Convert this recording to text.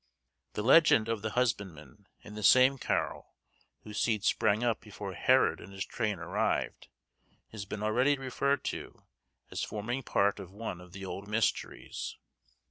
The legend of the husbandman, in the same carol, whose seed sprang up before Herod and his train arrived, has been already referred to, as forming part of one of the old mysteries.